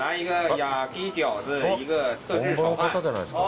本場の方じゃないですか。